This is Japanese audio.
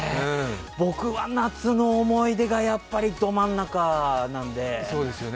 僕は「夏の思い出」がやっぱりど真ん中なんで。